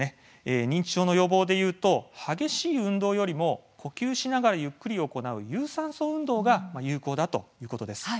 認知症の予防でいうと激しい運動よりも呼吸しながらゆっくり行う有酸素運動が有効だということです。